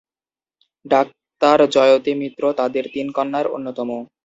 ডাক্তারজয়তী মিত্র তাদের তিন কন্যার অন্যতম।